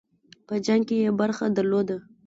په جنګ کې یې برخه درلوده.